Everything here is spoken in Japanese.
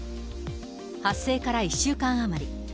発生から１週間余り。